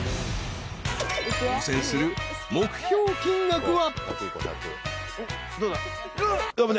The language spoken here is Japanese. ［挑戦する目標金額は］